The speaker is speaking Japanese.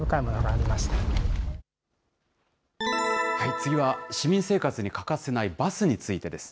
次は市民生活に欠かせないバスについてです。